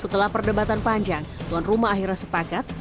setelah perdebatan panjang tuan rumah akhirnya sepakat